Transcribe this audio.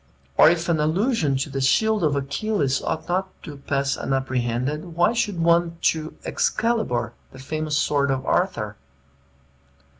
Or if an allusion to the shield of Achilles ought not to pass unapprehended, why should one to Excalibar, the famous sword of Arthur?